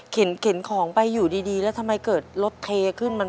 เข็นของไปอยู่ดีแล้วทำไมเกิดรถเทขึ้น